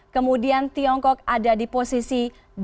kemudian tiongkok ada di posisi dua puluh enam